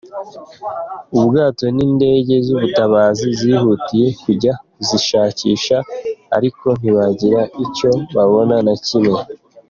Ubwato n’indege z’ubutabazi zihutiye kujya kuzishakisha ariko ntibagira icyo babona na kimwe.